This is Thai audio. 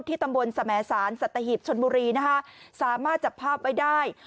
ตำบลสมสารสัตหิบชนบุรีนะคะสามารถจับภาพไว้ได้